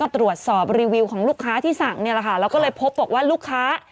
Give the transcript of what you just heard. ตรวจสอบรีวิวของลูกค้าที่สั่งเนี่ยแหละค่ะแล้วก็เลยพบบอกว่าลูกค้า